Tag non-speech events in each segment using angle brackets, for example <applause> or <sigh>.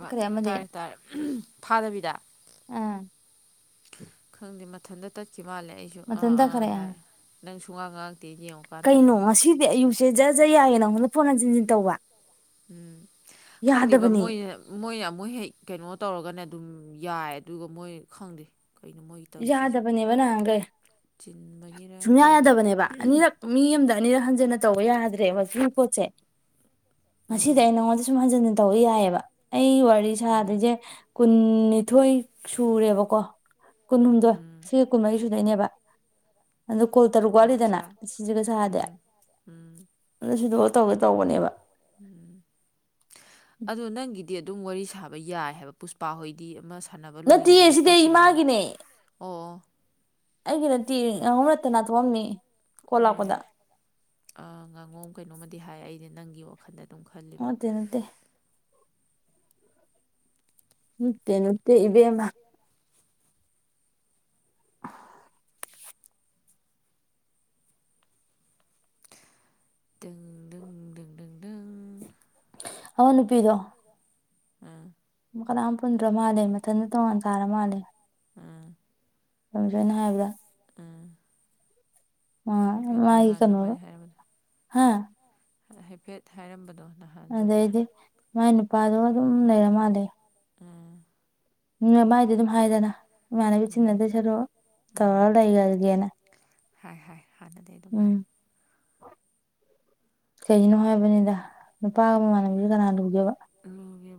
ꯕ ꯑꯃꯗꯤ ꯇꯥꯔꯦ ꯇꯥꯔꯦ ꯐꯥꯗꯕꯤꯗ ꯑꯥ ꯈꯪꯗꯦ ꯃꯊꯟꯇ ꯁꯤ ꯃꯥꯜꯂꯦ ꯑꯩꯁꯨ ꯃꯊꯟ ꯑꯥ ꯑꯥ ꯇꯈꯔꯦ ꯍꯥꯏ ꯅꯪ ꯁꯨꯡꯉꯥꯡ ꯉꯥꯛꯇꯦ ꯌꯦꯡꯉꯨꯀꯥꯟ ꯇꯠꯂꯦ ꯁꯤ ꯖꯖ ꯌꯥꯏꯒꯦ ꯅꯪꯉꯣꯟꯗ ꯐꯣꯟ ꯍꯟꯆꯤꯟꯖꯤꯟ ꯇꯧꯕ ꯎꯝ ꯈꯪꯗꯦꯕ ꯌꯥꯗꯕꯅꯦ ꯃꯣꯏꯅ ꯃꯣꯏꯅ ꯑꯃꯨꯛ ꯍꯦꯛ ꯀꯩꯅꯣ ꯇꯧꯔꯒꯅꯦ ꯑꯗꯨꯝ ꯌꯥꯏ ꯑꯗꯨꯒ ꯃꯣꯏ ꯈꯪꯗꯦ ꯀꯩꯅꯣ ꯃꯣꯏ ꯇꯧꯔꯤꯁꯤꯁꯨ ꯌꯥꯗꯕꯅꯦꯕ ꯅꯍꯥꯟ ꯀꯩ ꯆꯤꯟꯕꯒꯤꯔ ꯁꯨꯡꯌꯥ ꯀꯩꯒꯤꯅꯣ ꯌꯥꯗꯕꯅꯦꯕ ꯑꯅꯤꯔꯛ ꯃꯤ ꯑꯃꯗ ꯑꯅꯤ ꯍꯟꯖꯤꯟꯅ ꯇꯧꯕ ꯌꯥꯗ꯭ꯔꯦꯕ ꯃꯒꯤ ꯄꯣꯠꯁꯦ ꯉꯁꯤꯗꯤ ꯎꯝ ꯑꯩ ꯅꯉꯣꯟꯗ ꯁꯨꯝ ꯍꯟꯟ ꯇꯧ ꯌꯥꯏꯑꯕ ꯑꯩ ꯋꯥꯔꯤ ꯎꯝ ꯁꯥꯗ꯭ꯣꯏꯁꯦ ꯀꯨꯟ ꯅꯤꯊꯣꯏ ꯁꯨꯔꯦꯕꯀꯣ ꯀꯨꯟꯍꯨꯝꯗꯣꯏ ꯎꯝ ꯁꯤꯒ ꯀꯨꯟꯃꯔꯤ ꯁꯨꯗꯣꯏꯅꯦꯕ ꯑꯗꯣ ꯀꯣꯜ ꯇꯔꯨꯛ ꯋꯥꯠꯂꯤꯗꯅ ꯀꯨꯟꯊ꯭ꯔꯥ ꯁꯤꯁꯤꯒ ꯁꯥꯗꯦ ꯎꯝ ꯎꯝ ꯑꯗꯨ ꯁꯤꯗ ꯇꯧꯒꯦ ꯇꯧꯕꯅꯦꯕ ꯎꯝ ꯑꯗ ꯅꯪ ꯗꯤ ꯑꯗꯨꯝ ꯋꯥꯔꯤ ꯁꯥꯕ ꯌꯥꯏ ꯍꯥꯏꯕ ꯄꯨꯁꯄꯥꯍꯣꯏꯗꯤ ꯑꯃ ꯁꯥꯟꯅꯕ ꯅꯠꯇꯦ ꯂꯣꯏꯈꯤꯕꯗꯩ ꯑꯁꯤꯗꯤ ꯇꯧꯁꯤꯜꯂꯛꯄ ꯏꯃꯥꯒꯤꯅꯦ ꯑꯣ ꯑꯣ ꯑꯩꯒꯤ ꯅꯠꯇꯦ ꯉꯍꯧ ꯇꯅꯥꯠꯇꯕ ꯃꯤ ꯎꯝ ꯉꯥꯉꯣꯝ ꯀꯩꯅꯣꯝꯃꯗꯤ ꯍꯥꯏ ꯑꯩꯗꯤ ꯅꯪꯒꯤ ꯋꯥꯈꯜꯗꯗꯤ ꯑ ꯇꯦ ꯅꯠꯇꯦ ꯃꯠꯇꯦ ꯅꯨꯠꯇꯦ ꯏꯕꯦꯝꯃ <inaudible> ꯍꯥꯎ ꯅꯨꯄꯤꯗꯣ ꯑꯥ ꯨ ꯀꯅꯥꯝ ꯄꯨꯟꯗ꯭ꯔ ꯃꯥꯜꯂꯦ ꯃꯊꯟꯗ ꯇꯣꯡꯉꯥꯟ ꯇꯥꯔ ꯃꯥꯜꯂꯦ ꯑꯥ ꯌꯥꯝ ꯁꯣꯏꯅ ꯍꯥꯏꯕ꯭ꯔꯥ ꯑꯥ ꯑ ꯍꯥꯏꯐꯦꯠ ꯃꯥ ꯏ ꯅꯍꯥꯟ ꯀꯅꯔ ꯅꯕꯥꯅꯤ ꯍꯥꯏꯔꯝꯕꯗꯣ ꯍꯥ ꯍꯥꯏꯐꯦꯠ ꯍꯥꯏꯔꯝꯕꯗꯣ ꯅꯍꯥꯟꯁꯨ ꯑꯗꯩꯗꯤ ꯃꯥꯏ ꯅꯨꯄꯥꯗꯣ ꯑꯗꯨꯝ ꯂꯩꯔ ꯃꯥꯜꯂꯦ ꯑꯥ ꯃꯤ ꯃꯃꯥꯏꯗꯤ ꯑꯗꯨꯝ ꯍꯥꯏꯗꯅ ꯏꯃꯥꯟꯅꯕꯤ ꯆꯤꯟꯅꯗꯣꯏ ꯁꯔꯛꯑꯣ ꯇꯥ ꯎꯝ ꯑꯩꯒꯒꯦꯅ ꯍꯥꯏ ꯍꯥꯏ ꯍꯥꯟꯅꯗꯤ ꯑꯗꯨꯝ ꯍꯥꯏ ꯀꯩꯒꯤꯅꯣ ꯍꯥꯏꯕꯅꯤꯗ ꯅꯨꯄꯥꯒ ꯃꯃꯥꯟꯅꯕꯤꯁꯨ ꯀꯅꯥ ꯂꯨꯒꯦꯕ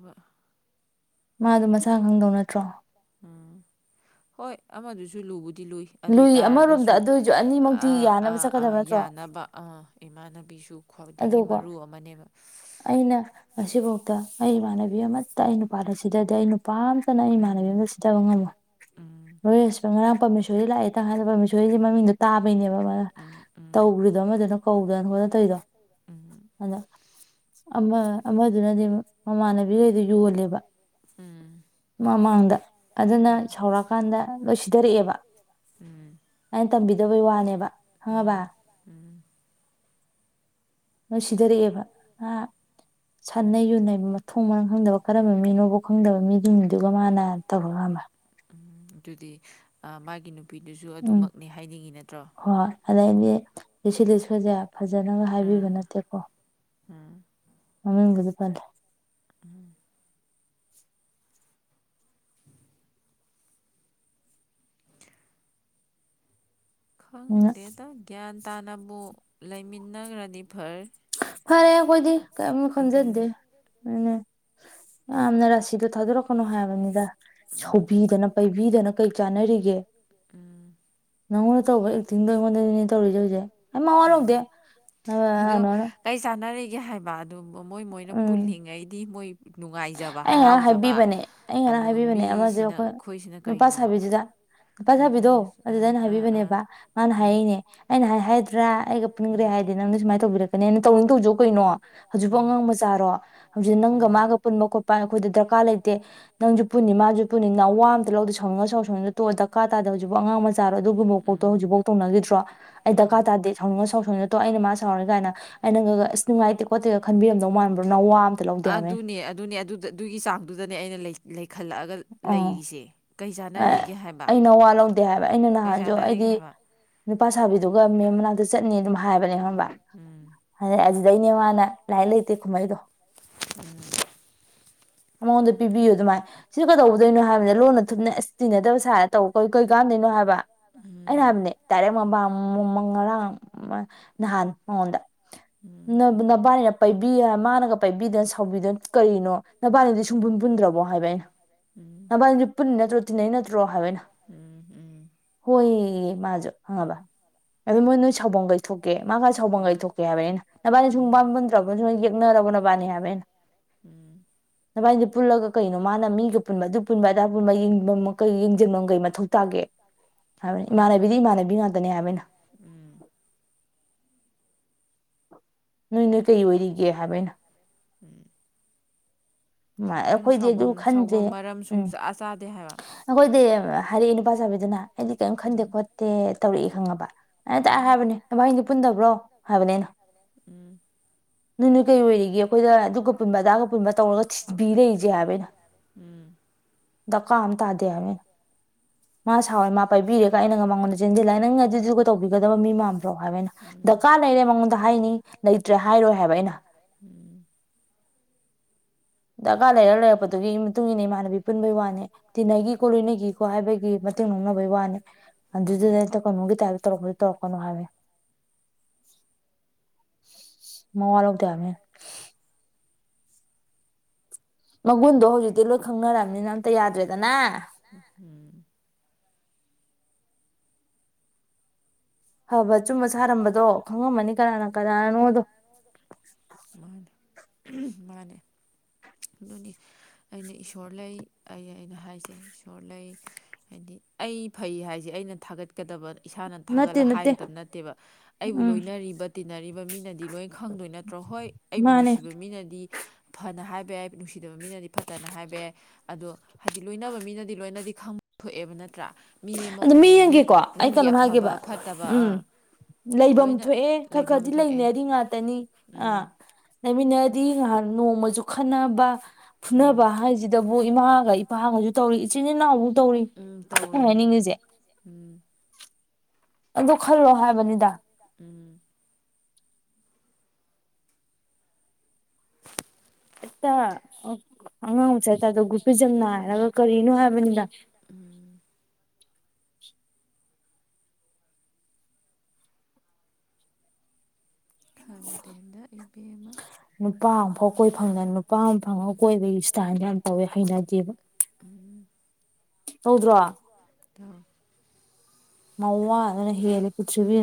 ꯕ ꯃꯥꯗꯣ ꯃꯁꯥ ꯈꯪꯗꯧ ꯅꯠꯇ꯭ꯔꯣ ꯎꯝ ꯍꯣꯏ ꯑꯃꯗꯨꯁꯨ ꯂꯨ ꯗꯤ ꯂꯨꯏ ꯑꯗꯨ ꯑꯃꯔꯣꯝꯗ ꯑꯣꯏꯇꯥꯥꯔꯒꯁꯨ ꯑꯗꯨ ꯑꯣꯏꯁꯨ ꯑꯅꯤꯃꯛꯇꯤ ꯑ ꯌꯥꯅꯕ ꯑꯥ ꯑꯥ ꯆꯠꯀꯗꯕ ꯅꯠꯇ꯭ꯔꯣ ꯌꯥꯅꯕ ꯑ ꯏꯃꯥꯟꯅꯕꯤꯁꯨ ꯈ꯭ꯋꯥꯏꯗꯒꯤ ꯑꯗꯨꯀꯣ ꯃꯔꯨ ꯑꯃꯅꯦꯕ ꯑꯁꯤꯐꯥꯎꯗ ꯑꯩ ꯏꯃꯥꯟꯅꯕꯤ ꯑꯃꯠꯇ ꯑꯩ ꯅꯨꯄꯥꯜ ꯑꯁꯤꯗꯗꯤ ꯑꯩ ꯄꯥꯝꯇꯅ ꯑꯩ ꯏꯃꯥꯟꯅꯕꯤ ꯎꯝ ꯑꯃꯝꯗ ꯁꯤꯠꯇꯕ ꯉꯝꯃꯣꯏ ꯎꯝ ꯂꯣꯏꯔꯁꯨꯕ ꯉꯔꯥꯡ ꯄꯔꯃꯦꯁꯔꯤ ꯂꯥꯛꯑꯦ ꯇꯪ ꯍꯥꯏꯜꯗꯦ ꯄꯔꯃꯦꯁꯣꯔꯤꯁꯤ ꯃꯃꯤꯡꯣ ꯇꯥꯕꯩꯅꯦꯕ ꯃꯥ ꯎꯝ ꯎꯝ ꯇꯧ꯭ꯔꯤꯗꯣ ꯑꯃꯗꯨꯗ ꯀꯧꯒꯅ ꯍ ꯇꯩꯔ ꯑꯗꯣ ꯑꯃ ꯑꯃꯗꯨꯅꯗꯤ ꯃꯃꯥꯟꯅꯕꯤꯈꯩꯗ ꯌꯣꯜꯂꯦꯕ ꯎꯝ ꯃꯃꯥꯡꯗ ꯑꯗꯨꯅ ꯁꯧꯔꯛꯑꯀꯥꯟꯗ ꯂꯣꯏ ꯁꯤꯊꯔꯛꯑꯦꯕ ꯎꯝ ꯑꯩꯅ ꯇꯝꯕꯤꯗꯕꯩ ꯋꯥꯅꯦꯕ ꯈꯪꯉꯕ ꯅꯁꯤꯙꯔꯕ ꯑ ꯁꯥꯟꯅꯩ ꯌꯨꯅꯩ ꯃꯊꯣꯡ ꯃꯔꯥꯡ ꯈꯪꯗꯕ ꯀꯔꯝꯕ ꯃꯤꯅꯣꯕꯣ ꯈꯪꯗꯕ ꯃꯤꯗꯨꯗꯨꯒ ꯃꯥꯅ ꯇꯧꯔꯒꯃꯦ <inaudible> ꯎꯝ ꯑꯗꯨꯗꯤ ꯃꯥꯒꯤ ꯅꯨꯄꯤꯗꯨꯁꯨ ꯑꯗꯨꯃꯛꯅꯤ ꯍꯥꯏꯅꯤꯡꯉꯤ ꯅꯠꯇ꯭ꯔꯣ ꯑꯗ ꯑꯩꯒꯤ ꯂꯤꯁꯤ ꯂꯤꯁꯈꯁꯦ ꯐꯖꯅ ꯍꯥꯏꯕꯤꯕ ꯎꯝ ꯅꯠꯇꯦꯀꯣ ꯎꯝ ꯑꯒꯗꯤ ꯇꯔ ꯎꯝ ꯑꯗꯨꯅ ꯈꯪꯗꯦꯗ ꯒ꯭ꯌꯥꯟ ꯇꯥꯅꯕꯨ ꯂꯩꯃꯤꯟꯅꯈ꯭ꯔꯅꯤ ꯐꯔ ꯐꯔꯦ ꯀꯣꯏꯗꯤ ꯀ ꯈꯟꯖꯗꯦ ꯑꯗꯨꯅꯤ ꯑꯗꯨꯅꯦ ꯌꯥꯝꯅ ꯔꯥꯁꯤꯗꯣ ꯊꯥꯗꯣꯔꯛꯀꯅꯣ ꯍꯥꯏꯕꯅꯤꯗ ꯎꯝ ꯁꯧꯕꯤꯗꯅ ꯄꯥꯏꯕꯤꯗꯅ ꯀꯩ ꯆꯥꯟꯅꯔꯤꯒꯦ ꯎꯝ ꯅꯪꯉꯣꯟꯗ ꯇꯧꯕ ꯑꯦ ꯊꯤꯡꯗꯣ ꯑꯩꯉꯣꯟꯗꯅꯦ ꯇꯧꯔꯤꯁꯦ ꯍꯧꯖꯤꯁꯦ ꯑꯩ ꯃ ꯋꯥꯔꯧꯗꯦ ꯑ ꯑꯗꯣ ꯑꯅꯣꯅ ꯀꯩ ꯆꯥꯟꯅꯔꯤꯒꯦ ꯍꯥꯏꯕ ꯑꯗꯨ ꯃꯣꯏ ꯃꯣꯏꯅ ꯎꯝ ꯄꯨꯜꯂꯤꯉꯩꯗꯤ ꯃꯣꯏ ꯅꯨꯡꯉꯥꯏꯖꯕ ꯑꯩ ꯉꯔꯥꯡ ꯍꯔꯥꯎꯖꯕ ꯍꯥꯏꯕꯤꯕꯅꯦ ꯑꯩ ꯉꯔꯥꯡ ꯑꯗꯨꯒ ꯍꯥꯏꯕꯤꯕꯅꯦ ꯑꯃꯗꯣ ꯃꯤꯁꯤꯅ ꯑꯩꯈꯣꯏ ꯑꯩꯈꯣꯏꯁꯤꯅ ꯅꯨꯄꯥ ꯀꯩꯅꯣꯕ ꯁꯥꯕꯤꯗꯨꯗ ꯅꯨꯄꯥ ꯁꯥꯕꯤꯗꯣ ꯍꯥꯏꯗꯣꯔꯦ ꯑꯗꯨꯗ ꯑꯥ ꯑꯩꯅ ꯑꯥ ꯑꯥ ꯍꯥꯏꯕꯤꯕꯅꯦꯕ ꯃꯥꯅ ꯎꯝ ꯍꯥꯏꯔꯛꯅꯦ ꯑꯩꯅ ꯍꯥꯏꯗ꯭ꯔꯥ ꯑꯩꯒ ꯄꯨꯟꯈ꯭ꯔꯦ ꯎꯝ ꯍꯥꯏꯗꯦ ꯅꯪꯅ ꯁꯨꯃꯅ ꯇꯧꯕꯤꯔꯛꯀꯅꯤ ꯑꯩꯅ ꯇꯧꯅꯤꯡꯗꯧꯁꯨꯛ ꯀꯩꯅꯣ ꯍꯧꯖꯤꯛꯐ ꯎꯝ ꯑꯉꯥꯡ ꯃꯆꯥꯔꯣ ꯍꯧꯖꯤꯛ ꯅꯪꯒ ꯎꯝ ꯃꯥꯒ ꯄꯨꯟꯕ ꯈꯣꯠꯄ ꯑꯩꯈꯣꯏꯗ ꯗꯔꯀꯥꯔ ꯂꯩꯇꯦ ꯅꯪꯁꯨ ꯄꯨꯟꯅꯤ ꯃꯥꯁꯨ ꯄꯨꯅꯤ ꯅ ꯋꯥ ꯑꯝꯇ ꯂꯧꯗꯦ ꯁꯧꯅꯤꯡꯉꯒ ꯁꯧ ꯁꯅꯤꯡ ꯇꯣꯛꯑ ꯗꯀꯥ ꯇꯥꯗ ꯍꯧꯖꯤꯐ ꯑꯉꯥꯡ ꯃꯆꯥꯔꯣ ꯑꯗꯨꯒꯨꯝꯕ ꯄꯥꯎꯣ ꯎꯝ ꯍꯧꯖꯤꯛꯐꯥꯎ ꯇꯧꯅꯈꯤꯗ꯭ꯔꯣ ꯑꯩ ꯗꯔꯀꯥ ꯇꯥꯗꯦ ꯁꯥꯎꯅꯤꯡꯉ ꯁꯥꯎꯁ ꯑꯩꯅ ꯃꯥ ꯁꯥꯎꯔꯤ ꯀꯥꯏꯅ ꯑꯩꯅꯪꯒ ꯑꯁ ꯅꯨꯡꯉꯥꯏꯇꯦ ꯈꯣꯠꯇꯦꯒ ꯈꯟꯕꯤꯔꯝꯗꯧ ꯃꯥꯟꯕ꯭ꯔꯣ ꯅ ꯋꯥꯋꯥ ꯑꯃꯇ ꯂꯧꯗꯦ ꯍꯥꯏꯕꯅꯤ ꯑꯗꯨꯅꯤ ꯑꯗꯨꯗ ꯑꯗꯨꯒꯤ ꯆꯥꯡꯗꯨꯗꯅꯦ ꯑꯩꯅ ꯏꯈꯜꯂꯛꯑꯒ ꯑꯥ ꯂꯩꯔꯤꯁꯦ ꯀꯩ ꯑ- ꯆꯥꯟꯅꯔꯤꯒꯦ ꯍꯥꯏꯕ ꯑꯩꯅ ꯋꯥ ꯂꯧꯗꯦ ꯍꯥꯏꯕ ꯑꯩꯅ ꯀꯩ ꯅꯍꯥꯟꯁꯨ ꯆꯥꯟꯅꯔꯤꯒꯦ ꯑꯩꯗꯤ ꯍꯥꯏꯕ ꯅꯨꯄꯥ ꯁꯥꯕꯤꯗꯨꯒ ꯃꯦꯝ ꯃꯅꯥꯛꯇ ꯆꯠꯅꯤ ꯑꯗꯨꯝ ꯍꯥꯏꯕꯅꯦ ꯎꯝ ꯑꯗ ꯑꯗꯨꯗꯩꯅꯦ ꯋꯥꯅ ꯂꯥꯏꯟ ꯂꯩꯇꯦ ꯀꯨꯝꯍꯩꯗꯣ ꯎꯝ ꯃꯉꯣꯟꯗ ꯄꯤꯕꯤꯌꯨ ꯑꯗꯨꯃꯥꯏ ꯁꯤꯁꯨ ꯀꯩꯗꯧꯕꯗꯣꯏꯩꯅꯣ ꯍꯥꯏꯕꯅꯤꯅ ꯂꯣꯟꯅ ꯊꯨꯞꯅ ꯑꯦꯁ ꯇꯤꯟꯅꯗꯕ ꯁꯥꯔ ꯇꯧꯕ ꯀ ꯀꯩ ꯀꯥꯟꯝꯗꯣꯏꯅꯣ ꯍꯥꯏꯕ ꯑꯩꯅ ꯎꯝ ꯍꯥꯏꯕꯅꯦ ꯇꯥꯔꯦ ꯃꯕꯥꯝ ꯃꯃꯪ ꯉꯔꯥꯡ ꯅꯍꯥꯟ ꯃꯉꯣꯟꯗ <unintelligible> <inaudible> ꯎꯝ ꯅꯕꯥꯅꯤꯅ ꯄꯥꯏꯕꯤ ꯃꯥꯅꯒ ꯄꯥꯏꯕꯤꯗꯅ ꯁꯥꯎꯕꯤꯗꯅ ꯀꯔꯤꯅꯣ ꯅꯕꯥꯅꯤꯗꯤ ꯁꯨꯡꯕꯨꯟ ꯄꯨꯟꯗ꯭ꯔꯕ ꯍꯥꯏꯕ ꯑꯩꯅ ꯅꯗꯤ ꯄꯨꯟꯅ ꯅꯠꯇ꯭ꯔꯣ ꯇꯤꯟꯅꯩ ꯅꯠꯇ꯭ꯔꯣ ꯍꯥꯏꯕ ꯑꯩꯅ ꯎꯝ ꯎꯝ ꯎꯝ ꯍꯌꯦ ꯃꯥꯖ ꯍꯉꯕ ꯑꯗ ꯃꯣꯏ ꯅꯣꯏ ꯁꯥꯎꯕꯜ ꯀꯩꯊꯣꯛꯀꯦ ꯃꯥꯒ ꯁꯥꯎꯕꯜ ꯀꯩꯊꯣꯛꯀꯦ ꯍꯥꯏꯕꯅꯦ ꯅꯕꯥꯅꯤ ꯎꯝ ꯁꯨꯝ ꯎꯝ ꯎꯝ ꯃꯃꯟꯗ꯭ꯔꯕꯅ ꯁ ꯌꯦꯛꯅꯔꯕ ꯅꯕꯥꯅꯤ ꯍꯥꯏꯕ ꯑꯩꯅ ꯎꯝ ꯅꯚꯥꯏꯁꯦ ꯄꯨꯜꯂꯒ ꯀꯩꯅꯣ ꯃꯥꯅ ꯃꯤ ꯄꯨꯟꯕ ꯑꯗꯨ ꯄꯨꯟꯕ ꯑꯗꯥ ꯄꯨꯕ ꯀꯩ ꯌꯦꯡꯁꯤꯟꯐꯝꯒꯩ ꯃꯊꯧ ꯇꯥꯒꯦ ꯍꯥꯏꯕꯅꯤ ꯃꯥꯅꯦ ꯏꯃꯥꯟꯅꯕꯤꯗꯤ ꯏꯃꯥꯟꯅꯕꯤ ꯉꯥꯛꯇꯅꯦ ꯍꯥꯏꯕꯅꯤꯅ ꯎꯝ ꯅꯣꯏ ꯅꯣꯏ ꯀꯩ ꯑꯣꯏꯔꯤꯒꯦ ꯍꯥꯏꯕꯩꯅꯣ ꯎꯝ <unintelligible> <inaudible> ꯑꯩꯈꯣꯏꯗꯤ ꯑꯗꯨ ꯈꯟꯗ꯭ꯔꯦ ꯃꯔꯝ ꯎꯝ ꯁꯨꯡꯆꯥ ꯆꯥꯗꯦ ꯍꯥꯏꯕ ꯑꯩꯈꯣꯏꯗꯤ ꯍꯥꯏꯔꯛꯑꯦ ꯅꯨꯄꯥ ꯆꯥꯕꯤꯗꯨꯅ ꯑꯩꯗꯤ ꯀꯔꯤꯝ ꯈꯟꯗꯦ ꯈꯣꯠꯇꯦ ꯇꯧꯔꯛꯏꯦ ꯈꯪꯉꯕ ꯑꯦ ꯇ ꯎꯝ ꯍꯥꯏꯕꯅꯦ ꯚꯁ ꯄꯨꯟꯗꯕ꯭ꯔꯣ ꯍꯥꯏꯕꯅꯤ ꯑꯩꯅ ꯎꯝ ꯅ ꯀꯩ ꯑꯣꯏꯔꯤꯒꯦ ꯑꯩꯈꯣꯏꯗ ꯑꯗꯨꯒ ꯄꯨꯟꯕ ꯑꯗꯥꯒ ꯄꯨꯟꯕ ꯇꯧꯔꯒ ꯕꯤꯔꯖꯦꯕꯅ ꯎꯝ ꯗ ꯀꯥꯝ ꯊꯥꯗ ꯌꯥꯋꯅ ꯃꯥ ꯁꯥꯎꯋꯦ ꯃꯥ ꯄꯥꯏꯕꯤꯔꯦꯒ ꯑꯩꯅ ꯉ ꯃꯉꯣꯟꯗ ꯆꯦꯟꯁꯤꯜꯂꯑ ꯅꯪ ꯑꯗꯨꯗꯨꯒ ꯇꯧꯕꯤꯒꯗꯕ ꯃꯤ ꯃꯥꯟꯕ꯭ꯔꯣ ꯍꯥꯏꯕꯅ ꯎꯝ ꯗꯔꯀꯥꯔ ꯂꯩꯔꯦ ꯃꯉꯣꯟꯗ ꯍꯥꯏꯅꯤ ꯂꯩꯇ꯭ꯔꯦ ꯍꯥꯏꯔꯣꯏ ꯍꯥꯏꯕ ꯑꯩꯅ ꯎꯝ ꯗꯔꯀꯥꯔ ꯂꯩꯔ ꯂꯩꯔꯛꯄꯗꯨꯒꯤ ꯃꯇꯨꯡ ꯏꯟꯅ ꯏꯃꯥꯟꯅꯕꯤ ꯄꯨꯟꯕꯩ ꯋꯥꯅꯦ ꯇꯤꯟꯅꯈꯤꯀꯣ ꯂꯣꯏꯅꯈꯤꯀꯣ ꯍꯥꯏꯕꯒꯤ ꯃꯇꯨꯡꯦꯡ ꯪꯅꯕꯩ ꯋꯥꯅꯤ ꯑꯗꯨꯩ ꯀꯩꯅꯣꯒꯤ ꯇꯥꯏ ꯇꯧꯔꯛꯄ ꯇꯧꯔꯛꯀꯅꯣ ꯍꯥꯏꯋꯦ ꯃꯔꯗꯃꯦ <unintelligible> <inaudible> ꯃꯒꯨꯟꯗꯣ ꯍꯧꯖꯤꯛꯇꯤ ꯂꯣꯏ ꯈꯪꯅꯔꯕꯅꯤꯅ ꯑꯝꯇ ꯌꯥꯗ꯭ꯔꯦꯗꯅ ꯐꯕ ꯑꯆꯨꯝꯕ ꯁꯥꯔꯝꯕꯗꯣ ꯆꯨꯝꯕ ꯈꯪꯉꯝꯃꯅꯤ ꯀꯅꯥꯅ ꯀꯅꯥꯅꯣꯗꯣ ꯁꯥꯔꯝꯕꯗꯣꯅ <inaudible> ꯃꯅꯤ ꯃꯅꯦ ꯑꯗꯨꯅꯤ ꯑꯩꯅ ꯏꯁꯣꯔ ꯂꯩ ꯑꯩ ꯑꯩꯅ ꯍꯥꯏꯖꯩ ꯏꯁꯣꯔ ꯂꯩ ꯍꯥꯏꯗꯤ ꯑꯩ ꯐꯩ ꯍꯥꯏꯁꯦ ꯑꯩꯅ ꯊꯥꯒꯠꯀꯗꯕ ꯏꯁꯥꯅ ꯅꯠꯇꯦ ꯊꯥꯒꯠꯂꯒ ꯅꯠꯇꯦ ꯍꯥꯏꯒꯗꯕ ꯅꯠꯇꯦꯕ ꯑꯩꯕꯨ ꯎꯝ ꯂꯣꯏꯅꯔꯤꯕ ꯇꯤꯟꯅꯔꯤꯕ ꯃꯤꯅꯗꯤ ꯗꯤ ꯂꯣꯏꯅ ꯈꯪꯗꯣꯏ ꯅꯠꯇ꯭ꯔꯣ ꯍꯣꯏ ꯑꯩꯕꯨ ꯃꯥꯅꯦ ꯅꯨꯡꯁꯤꯕ ꯃꯤꯅꯗꯤ ꯐꯅ ꯍꯥꯏꯕ ꯍꯥꯏꯕ ꯌꯥꯏ ꯅꯨꯡꯁꯤꯗꯕ ꯃꯤꯅꯗꯤ ꯐꯠꯇꯅ ꯍꯥꯏꯕ ꯌꯥꯏ ꯑꯗꯣ ꯍꯥꯏꯗꯤ ꯂꯣꯏꯅꯕ ꯃꯤꯅꯗꯤ ꯂꯣꯏꯅꯗꯤ ꯈꯪ ꯊꯣꯛꯑꯦꯕ ꯅꯠꯇ꯭ꯔꯥ ꯃꯤ ꯑꯃ ꯑꯗꯣ ꯃꯤ ꯑꯣꯏꯔꯗꯤ ꯌꯦꯡꯒꯦꯀꯣ ꯑꯩ ꯅꯪꯒꯤ ꯀꯩꯅꯣꯝ ꯑꯐꯕ ꯍꯥꯏꯒꯦꯕ ꯐꯠꯇꯕ ꯎꯝ ꯑꯥ ꯂꯩꯐꯝ ꯂꯣꯏꯅ ꯊꯣꯛꯑꯦ ꯈꯔ ꯂꯩꯐꯝ ꯈꯔꯗꯤ ꯊꯣꯛꯑꯦ ꯂꯩꯅꯔꯤ ꯉꯥꯇ ꯑꯥ ꯎꯝ ꯂꯩꯃꯤꯟꯅꯔꯗꯤ ꯉꯍꯥꯟ ꯅꯣꯡꯃꯁꯨ ꯈꯟꯅꯕ ꯎꯝ ꯐꯨꯅꯕ ꯍꯥꯏꯁꯤꯗꯕꯨ ꯏꯃꯥꯒ ꯏꯄꯥꯒꯁꯨ ꯇꯧꯔꯤ ꯏꯆꯤꯟ ꯏꯅꯥꯎꯕꯨ ꯇꯧꯔꯤ ꯎꯝ ꯑꯩꯅ ꯇꯧꯔꯤ ꯍꯥꯏꯅꯤꯡꯉꯤꯁꯦ ꯎꯝ <inaudible> ꯑ ꯈꯜꯂꯣ ꯍꯥꯏꯕꯅꯤꯗ ꯎꯝ <unintelligible> <inaudible> ꯑꯠꯇ ꯑꯉ ꯆ <inaudible> ꯗꯣ ꯒꯨꯞꯄꯤꯖꯝꯅ ꯍꯥꯏꯔꯒ ꯀꯔꯤꯅꯣ ꯍꯥꯏꯕꯅꯤꯗ ꯎꯝ ꯈꯪꯗꯦ ꯍꯟꯗꯛ ꯏꯕꯦ ꯑꯃ ꯅꯨꯄꯥ ꯑꯃꯐꯥꯎ ꯀꯣꯏ ꯐꯪꯗꯅ ꯅꯨꯄꯥ ꯑꯃ ꯐꯪꯉꯒ ꯀꯣꯏꯕꯒꯤ ꯏꯁꯇꯥꯏꯜꯗ ꯌꯥꯝ ꯇꯧꯋꯦ ꯍꯩꯅꯗꯦꯕ ꯍꯧꯗ꯭ꯔꯣ ꯇꯝ <unintelligible> <inaudible> ꯉꯋꯥ ꯑꯗꯨꯅ ꯍꯦꯜꯂꯤ ꯄ꯭ꯔꯤꯊꯤꯕꯤ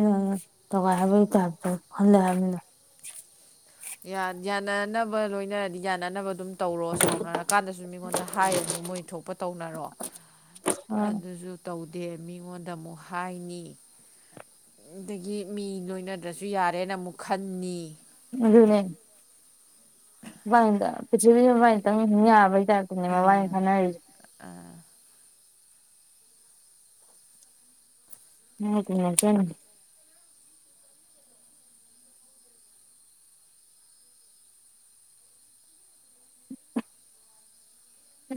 ꯇꯣꯒꯥꯏꯕꯩꯇꯥꯔꯦ ꯈꯟꯗꯦ ꯍꯥꯏꯕꯅ ꯌꯥꯅꯅꯕ ꯂꯣꯏꯅꯔꯗꯤ ꯌꯥꯅꯅꯕ ꯑꯗꯨꯝ ꯇꯧꯔꯣ ꯁꯥꯎꯅꯔꯀꯥꯟꯗꯁꯨ ꯃꯤꯉꯣꯟꯗ ꯍꯥꯏꯔꯅꯨ ꯃꯣꯏ ꯊꯣꯛꯄ ꯇꯧꯅꯔꯣ ꯑ ꯑꯗꯨꯁꯨ ꯇꯧꯗꯦ ꯃꯤꯉꯣꯟꯗ ꯑꯃꯨꯛ ꯍꯥꯏꯅꯤ ꯑꯗꯒꯤ ꯃꯤ ꯂꯣꯏꯅꯗ꯭ꯔꯁꯨ ꯌꯥꯔꯦꯅ ꯑꯃꯨꯛ ꯈꯟꯅꯤ ꯑꯗꯨꯅꯦ ꯋꯥꯥꯏꯗ ꯄ ꯋꯥ ꯇ ꯌꯥꯕ ꯋꯥ ꯈꯅ <inaudible>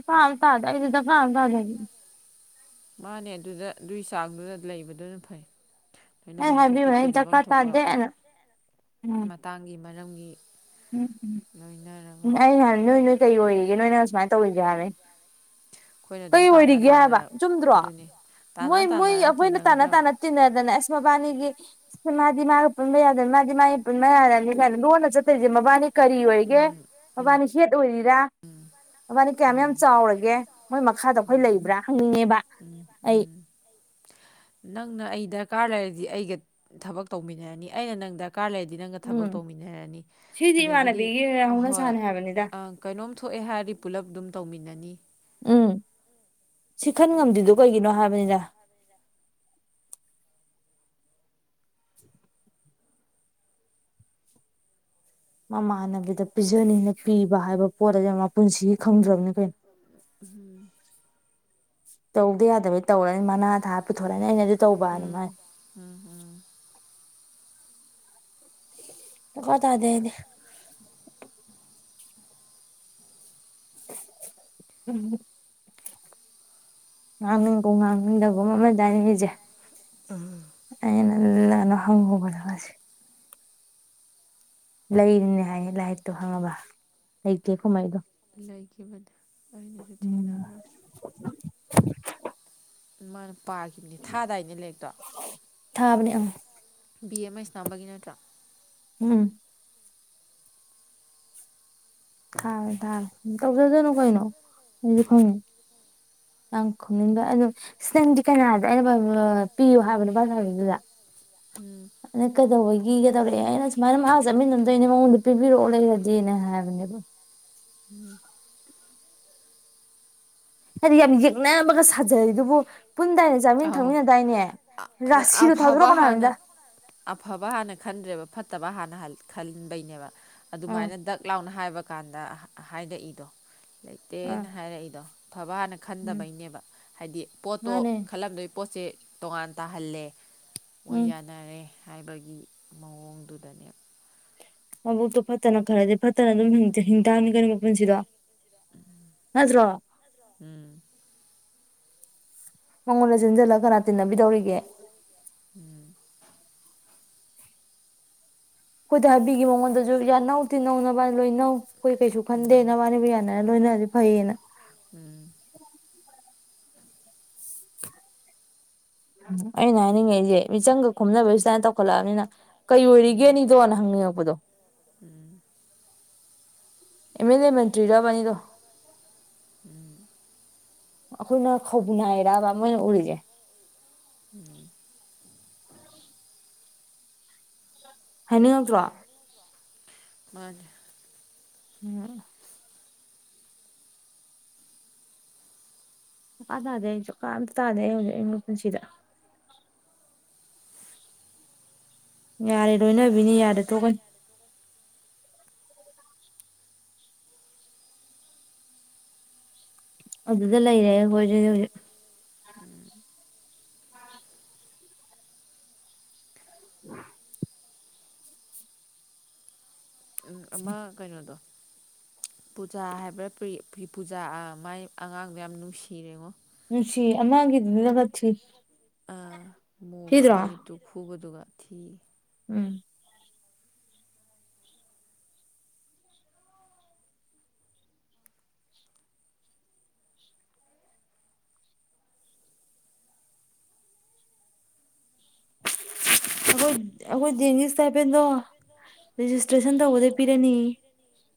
ꯐꯥꯝ ꯊꯥꯗ ꯏꯗꯤꯗ ꯐꯥꯝ ꯊꯥꯗꯅꯤ ꯃꯥꯅꯦ ꯑꯗꯨꯗ ꯑꯗꯨꯏ ꯆꯥꯡꯗꯨꯗ ꯂꯩꯕꯗꯨꯅ ꯐꯩ ꯑꯩ ꯂꯣꯏꯅꯐꯝ ꯊꯣꯛꯄ ꯍꯥꯏꯕꯤꯕꯅꯦ ꯑꯩ ꯇꯤꯟꯅꯐꯝ ꯗꯀꯥ ꯊꯣꯛꯄ ꯇꯥꯗꯦꯅ ꯃꯇꯥꯡꯒꯤ ꯃꯔꯝꯒꯤ ꯎꯝ ꯎꯝ ꯂꯣꯏꯅꯔꯒ ꯎꯝ ꯑꯩ ꯀꯩ ꯑꯩꯈꯣꯏꯅ ꯑꯗꯨꯝ ꯇꯥꯟꯅ ꯑꯣꯏꯔꯤꯒꯦ ꯍꯥꯏꯕ ꯇꯥꯟꯅꯔ ꯆꯨꯝꯗ꯭ꯔꯣ ꯑꯗꯨꯅꯤ ꯇꯥꯟꯅ ꯃꯣꯏ ꯃꯣꯏ ꯇꯥꯟꯅꯔ ꯑꯩꯈꯣꯏꯅ ꯇꯥꯟꯅ ꯇꯤꯟꯅꯒꯗ꯭ꯔꯕ ꯇꯥꯟꯅ ꯇꯤꯟꯅꯗꯅ ꯑꯁ ꯃꯕꯥꯅꯤꯒꯤ ꯃꯥꯗꯤ ꯃꯥꯒ ꯄꯨꯟꯕ ꯌꯥꯗꯅꯤ ꯃꯥꯗꯤ ꯃꯥꯒ ꯄꯨꯟꯕ ꯌꯥꯗꯅꯤ ꯀꯥꯏꯅ ꯂꯣꯟꯅ ꯆꯠ ꯆ ꯇꯔꯤꯁꯦ ꯃꯕꯥꯅꯤ ꯀꯔꯤ ꯑꯣꯏꯒꯦ ꯎꯝ ꯃꯕꯥꯅꯤ ꯍꯦꯠ ꯑꯣꯏꯔꯤꯔꯥ ꯃꯕꯥꯅꯤ ꯀꯌꯥꯝ ꯌꯥꯝ ꯎꯝ ꯆꯥꯎꯔꯒꯦ ꯃꯣꯏ ꯃꯈꯥꯗ ꯑꯩꯈꯣꯏ ꯂꯩꯕ꯭ꯔꯥ ꯍꯪꯅꯤꯡꯉꯦꯕ ꯎꯝ ꯑꯩ ꯎꯝ ꯅꯪꯅ ꯑꯩ ꯗꯔꯀꯥꯔ ꯂꯩꯔꯗꯤ ꯑꯩꯒ ꯊꯕꯛ ꯇꯧꯃꯤꯟꯅꯔꯅꯤ ꯑꯩꯅ ꯅꯪ ꯗꯔꯀꯥ ꯗꯔꯀꯥꯔ ꯂꯩꯔꯗꯤ ꯅꯪꯒ ꯊꯕꯛ ꯎꯝ ꯇꯧꯃꯤꯟꯅꯔꯅꯤ ꯁꯤꯗꯤ ꯑꯗꯒꯤꯗꯤ ꯏꯃꯥꯟꯅꯕꯤꯒꯤ ꯍꯧꯅ ꯑꯍꯣꯏ ꯁꯥꯅꯤ ꯍꯥꯏꯕꯅꯤꯗ ꯀꯩꯅꯣꯝ ꯊꯣꯛꯑꯦ ꯍꯥꯏꯔꯗꯤ ꯄꯨꯂꯞ ꯑꯗꯨꯝ ꯇꯧꯃꯤꯟꯅꯅꯤ ꯎꯝ ꯁꯤ ꯈꯟ ꯉꯝꯗ꯭ꯗꯣ ꯀꯩꯒꯤꯅꯣ ꯍꯥꯏꯕꯅꯤꯅ <inaudible> ꯃꯃꯥꯟꯅꯕꯤꯗ ꯄꯤꯖꯅꯤꯅ ꯄꯤꯕ ꯍꯥꯏꯕ ꯄꯣꯠ ꯑ ꯃꯥ ꯄꯨꯟꯁꯤꯒꯤ ꯈꯪꯗ꯭ꯔꯕꯅꯤ ꯀꯩꯅꯣ ꯇꯧꯗ ꯌꯥ ꯑꯗꯨꯩ ꯇꯧꯔꯅꯤ ꯃꯅꯥ ꯊꯥ ꯄꯨꯊꯣꯔꯂꯛꯅꯤ ꯑꯩꯅꯗꯤ ꯇꯧꯕ ꯎꯝ ꯑꯗꯨꯃꯥꯏꯅ ꯎꯝ ꯎꯝ ꯀꯇꯥꯗꯗꯤ ꯎꯝ ꯉꯥꯡꯅꯤꯡꯀꯣ ꯉꯥꯡꯅꯤꯡꯗꯕꯣ ꯃꯃꯜ ꯇꯥꯏꯉꯁꯦ ꯎꯝ ꯑꯩꯅ ꯂꯅ ꯍꯪꯉꯨꯕꯗꯁꯦ ꯂꯩꯔꯤꯅꯦ ꯍꯥꯏꯌꯦ ꯂꯥꯏꯔꯤꯛꯇꯣ ꯍꯪꯉꯕ ꯂꯩꯇꯦ ꯀꯨꯝꯍꯩꯗꯣ ꯂꯩꯈꯤꯕꯗ ꯑꯩꯅꯁꯨ ꯎꯝ ꯊꯦꯡꯅꯕ꯭ꯔꯣ ꯃꯥꯅ ꯄꯥꯈꯤꯕꯅꯤ ꯊꯥꯗꯥꯏꯅꯦ ꯂꯦꯛꯇꯣ ꯊꯥꯕꯅꯦ ꯑ ꯕꯤ ꯑꯃ ꯏꯁꯅꯥꯝꯕꯒꯤ ꯅꯠꯇ꯭ꯔꯥ ꯎꯝ ꯊꯥꯔꯦ ꯊꯥꯔꯦ ꯇꯧꯖꯗꯅꯨ ꯀꯩꯅꯣ ꯑꯩꯁꯨ ꯈꯪꯉꯦ ꯌꯥꯝ ꯈꯣꯅꯤꯡꯕ ꯑꯣ ꯅꯪꯗꯤ ꯀꯅꯥꯗ ꯑꯩꯅ ꯄꯤꯌꯣ ꯍꯥꯏꯕꯅꯣ ꯄꯥꯟꯖꯕꯤꯗꯨꯗ <inaudible> ꯎꯝ ꯑꯅ ꯀꯩꯗꯧꯕꯒꯤꯒꯗꯧꯔꯦ ꯑꯩꯅ ꯁꯨꯃꯥꯏꯅ ꯃꯥ ꯆꯠꯃꯤꯟꯅꯝꯗꯣꯏꯅꯦ ꯃꯉꯣꯟꯗ ꯄꯤꯕꯤꯔꯛꯑꯣ ꯂꯩꯔꯗꯤꯅ ꯍꯥꯏꯕꯅꯦꯕ ꯎꯝ ꯍꯥꯏꯗꯤ ꯌꯥꯝ ꯌꯦꯛꯅꯅꯕꯒ ꯁꯥꯖꯔꯤ ꯑꯗꯨꯕꯨ ꯄꯨꯟꯗꯥꯏꯅꯦ ꯆꯥꯃꯤꯟꯅ ꯑꯧ ꯊꯛꯃꯤꯟꯅꯗꯥꯏꯅꯦ ꯔꯥꯁꯤꯗꯣ ꯑꯐꯕ ꯊꯥꯗꯣꯔꯛꯀꯅ ꯍꯥꯟꯅ ꯍꯥꯏꯕꯝꯗ ꯑꯐꯕ ꯍꯥꯟꯅ ꯈꯟꯗ꯭ꯔꯦꯕ ꯐꯠꯇꯕ ꯍꯥꯟꯅ ꯈꯟꯕꯩꯅꯦꯕ ꯎꯝ ꯑꯗꯨꯃꯥꯏꯅ ꯗꯛ ꯂꯥꯎꯅ ꯍꯥꯏꯕ ꯀꯥꯟꯗ ꯍꯥꯏꯔꯛꯏꯗꯣ ꯎꯝ ꯂꯩꯇꯦꯅ ꯍꯥꯏꯔꯛꯏꯗꯣ ꯑꯐꯕ ꯍꯥꯟꯅ ꯎꯝ ꯈꯟꯗꯕꯩꯅꯦꯕ ꯍꯥꯏꯗꯤ ꯄꯣꯠꯇꯣ ꯃꯥꯅꯦ ꯑꯗꯨꯏ ꯄꯣꯠꯁꯦ ꯇꯣꯉꯥꯟ ꯇꯥꯍꯜꯂꯦ ꯃꯣꯏ ꯎꯝ ꯌꯥꯅꯔꯦ ꯍꯥꯏꯕꯒꯤ ꯃꯑꯣꯡꯗꯨꯗꯅꯦ ꯃꯕꯣꯛꯛꯇꯣ ꯐꯠꯇꯅ ꯈꯔꯗꯤ ꯐꯠꯇꯅ ꯑꯗꯨꯝ ꯍꯤꯡꯊꯅꯤ ꯀꯔꯤꯣ ꯄꯨꯟꯁꯤꯗꯣ ꯅꯖ꯭ꯔꯣ ꯎꯝ ꯃꯉꯣꯔ ꯆꯤꯟꯖꯂ ꯈꯅꯥ ꯇꯤꯅꯕꯤꯗꯧꯔꯤꯒ ꯎꯝ ꯑ ꯍꯥꯏꯕꯤꯒꯤ ꯃꯉꯣꯟꯗꯁꯨ ꯌꯥ ꯅꯧ ꯇꯤꯟꯅꯧꯅꯕ ꯂꯣꯏꯅꯧ ꯑꯩꯈꯣꯏ ꯀꯩꯁꯨ ꯈꯟꯗꯦ ꯎꯝ ꯅꯅꯕꯅꯤꯕꯨ ꯌꯥꯅꯔ ꯂꯣꯏꯅꯔ ꯑꯗꯨ ꯐꯩꯌꯦꯅ ꯎꯝ <inaudible> <unintelligible> ꯑꯩꯅ ꯍꯥꯏꯅꯤꯡꯉꯩꯁꯦ ꯃꯤꯆꯪꯒ ꯈꯣꯝꯅꯕ ꯁꯨꯃꯥꯏꯅ ꯇꯧꯈꯠꯂꯛꯑꯕꯅꯤꯅ ꯀꯩ ꯎꯝ ꯑꯣꯏꯔꯤꯒꯦꯅꯤꯗꯣꯅ ꯍꯪꯅꯤꯡꯉꯛꯄꯗꯣ ꯎꯝ <unintelligible> <inaudible> ꯑꯦ ꯑꯦꯜ ꯑꯦ ꯃꯦꯟꯇ꯭ꯔꯤ ꯔꯕꯥꯅꯤꯗ ꯑꯩꯈꯣꯏꯅ ꯈꯕꯅ ꯑꯦꯔꯕ ꯃꯣꯏ ꯎꯔꯤꯖꯦ ꯍꯅꯤ ꯉꯗꯣ ꯃꯣꯏꯅꯤ ꯎꯝ ꯆꯀꯥꯟ ꯇꯥꯗꯦ ꯑꯩ ꯆꯀꯥꯝꯇ ꯇꯥꯗꯦ ꯑꯩ ꯍꯧꯖꯤꯛ ꯑꯩꯅ ꯄꯨꯟꯁꯤꯗ ꯌꯥꯔꯦ ꯂꯣꯏꯅꯕꯤꯅꯤ ꯌꯥꯔꯦ ꯇꯣꯛ ꯀ ꯑꯗꯨꯗ ꯂꯩꯔꯦ ꯍꯈꯣꯏ ꯍꯧꯖꯤꯛ ꯎꯝ <inaudible> ꯎꯝ ꯑꯃ ꯀꯩꯅꯣꯗꯣ ꯄꯨꯖꯥ ꯍꯥꯏꯕ꯭ꯔꯥ ꯄꯨꯖꯥ ꯃꯥꯏ ꯑꯉꯥꯡꯗꯣ ꯌꯥꯝ ꯅꯨꯡꯁꯤꯔꯦꯉꯣ ꯅꯨꯡꯁꯤ ꯑꯃꯒꯤꯥꯡꯒꯤꯗꯨꯗꯤ ꯂꯧꯒꯠꯁꯤ ꯑꯥ ꯃꯨꯕ ꯃꯃꯤꯠꯇꯨ ꯈꯨꯕꯗꯨꯒ ꯊꯤ ꯎꯝ ꯑꯩꯈꯣꯏ ꯑꯩꯈꯣꯏ ꯅꯤꯁ ꯇꯥꯏꯕꯗꯣ ꯔꯦꯖꯤꯁꯇ꯭ꯔꯦꯁꯟ ꯇꯧꯕꯗ ꯄꯤꯔꯅꯤ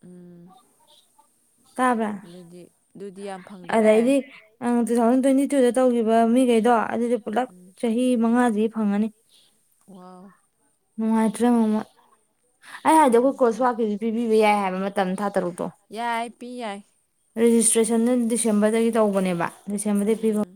ꯎꯝ ꯇꯥꯕ꯭ꯔꯥ ꯑꯗꯨꯗꯤ ꯑꯗꯨꯗꯤ ꯌꯥꯝ ꯐꯪꯗꯣꯔꯦ ꯑꯗꯩꯗꯤ ꯑ ꯇꯨ ꯊꯥꯎꯖꯟ ꯇ꯭ꯋꯦꯟꯇꯤ ꯇꯨꯗ ꯇꯧꯈꯤꯕ ꯃꯤꯈꯩꯗꯣ ꯑꯗꯨꯗꯤ ꯄꯨꯂꯞ ꯎꯝ ꯆꯍꯤ ꯃꯉꯥꯗꯤ ꯐꯪꯉꯅꯤ ꯋꯥꯎ <inaudible> <unintelligible> ꯃꯨꯇꯔꯦ ꯃꯃ ꯑꯩ ꯍꯥꯏꯗꯤꯛ ꯌꯥꯝ ꯐꯪ ꯑꯩꯈꯣꯏꯀꯣꯁꯋꯀꯤꯁꯨ ꯄꯤꯕꯤꯕ ꯌꯥꯏ ꯍꯥꯏꯕ ꯃꯇꯝ ꯊꯥ ꯇꯔꯨꯛꯇꯣ ꯌꯥꯏ ꯄꯤ ꯌꯥꯏ ꯔꯦꯖꯤꯁꯇ꯭ꯔꯦꯁꯟꯟꯅ ꯗꯤꯁꯦꯝꯕꯔꯗꯒꯤ ꯇꯧꯕꯅꯦꯕ ꯗꯤꯁꯦꯝꯕꯔꯗꯒꯤ ꯄꯤꯕ ꯎꯝ